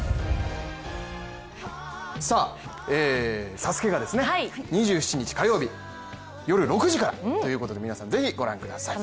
ＳＡＳＵＫＥが２７日火曜日夜６時からということで皆さん、ぜひご覧ください。